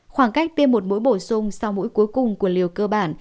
khoảng cách tiêm một mũi bổ sung sau mũi cuối cùng của liều cơ bản